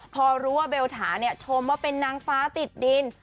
พอรู้ว่าเบลถาเนี่ยชมว่าเป็นนางฟ้าติดดิน